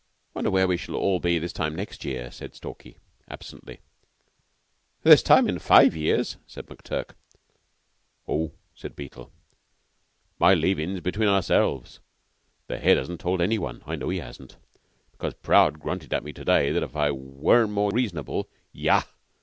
"Wonder where we shall all be this time next year?" said Stalky absently. "This time five years," said McTurk. "Oh," said Beetle, "my leavin's between ourselves. The Head hasn't told any one. I know he hasn't, because Prout grunted at me to day that if I were more reasonable yah!